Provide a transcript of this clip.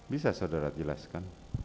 bisa saudara jelaskan